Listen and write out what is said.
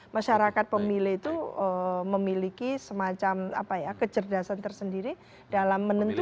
masyarakat pemilih itu memiliki semacam kecerdasan tersendiri dalam menentukan